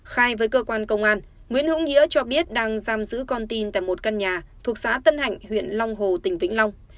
khai với cơ quan công an nguyễn hữu nghĩa cho biết đang giam giữ con tin tại một căn nhà thuộc xã tân hạnh huyện long hồ tỉnh vĩnh long